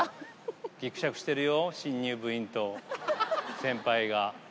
ぎくしゃくしてるよ、新入部員と先輩が。